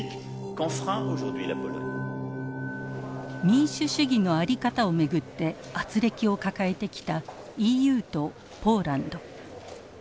民主主義の在り方を巡って軋轢を抱えてきたＥＵとポーランド。